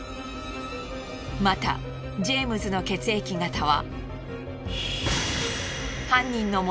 またジェームズの血液型は。